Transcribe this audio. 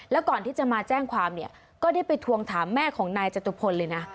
แล้วก่อนที่จะมาแจ้งความเนี่ยก็ได้ไปทวงถามแม่ของนายจตุพลเลยนะ